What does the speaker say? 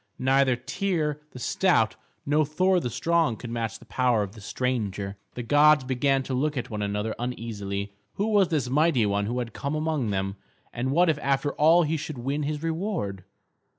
Neither Tŷr the stout nor Thor the strong could match the power of the stranger. The gods began to look at one another uneasily. Who was this mighty one who had come among them, and what if after all he should win his reward?